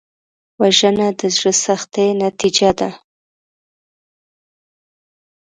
وژنه د زړه سختۍ نتیجه ده